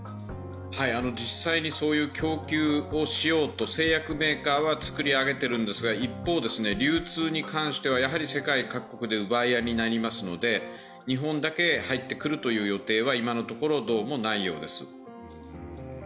実際にそういう供給をしようと製薬メーカーは作り上げているんですが、一方、流通に関しては世界各国で奪い合いになりますので、日本だけ入ってくるという予定は今のところどうもないようです。